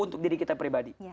untuk diri kita pribadi